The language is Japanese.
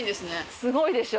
すごいでしょ。